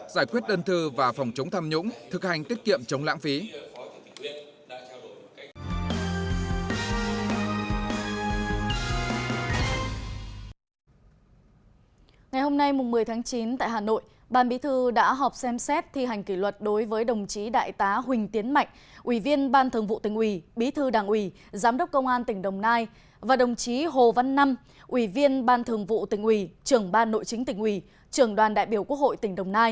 giải quyết đơn thư và phòng chống tham nhũng thực hành tiết kiệm chống lãng phí